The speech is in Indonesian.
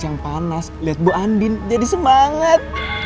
yang panas lihat bu andin jadi semangat